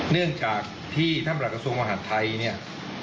เนื่องจากที่ท่านประหลักกระทรวงมหาดไทยเนี่ย